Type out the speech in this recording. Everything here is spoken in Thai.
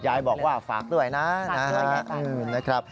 ยายบอกว่าฝากด้วยนะ